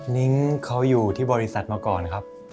นิ้งเขาอยู่ที่บริษัทมาก่อนครับ